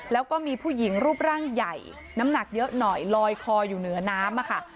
แล้วก็มีผู้หญิงรูปร่างใหญ่น้ำหนักเยอะหน่อยลอยคออยู่เหนือน้ำค่ะ